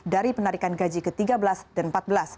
dari penarikan gaji ke tiga belas dan ke empat belas